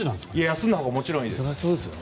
休んだほうがもちろんいいです。